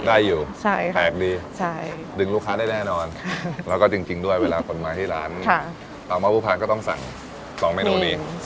ได้อยู่แปลกดีดึงลูกค้าได้แน่นอนแล้วก็จริงด้วยเวลาคนมาที่ร้านปลาหม้อผู้พานก็ต้องสั่ง๒เมนูนี้